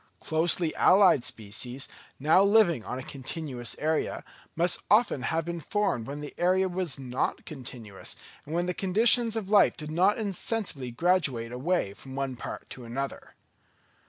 Closely allied species, now living on a continuous area, must often have been formed when the area was not continuous, and when the conditions of life did not insensibly graduate away from one part to another.